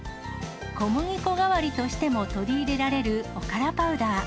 小麦粉代わりとしても取り入れられるおからパウダー。